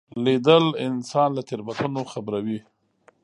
لیدل انسان له تېروتنو خبروي